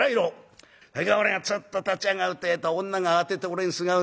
それから俺がつっと立ち上がるてえと女が慌てて俺にすがるね。